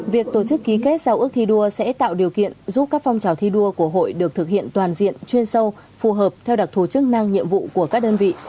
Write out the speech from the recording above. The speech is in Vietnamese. việc tổ chức ký kết giao ước thi đua sẽ tạo điều kiện giúp các phong trào thi đua của hội được thực hiện toàn diện chuyên sâu phù hợp theo đặc thù chức năng nhiệm vụ của các đơn vị